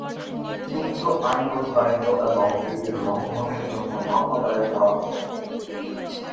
উক্ত আইনগত দায়িত্ব এবং এদের লঙ্ঘনের জন্য মামলা দায়ের করা হতো।